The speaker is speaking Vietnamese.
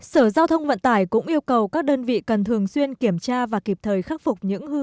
sở giao thông vận tải cũng yêu cầu các đơn vị cần thường xuyên kiểm tra và kịp thời khắc phục những hư hư